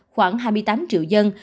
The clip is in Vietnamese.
khoảng hai mươi tám triệu dân